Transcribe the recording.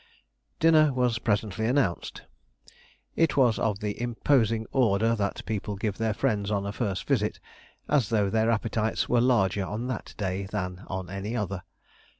Dinner was presently announced. It was of the imposing order that people give their friends on a first visit, as though their appetites were larger on that day than on any other.